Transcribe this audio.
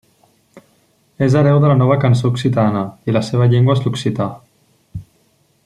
És hereu de la Nova cançó occitana, i la seva llengua és l'occità.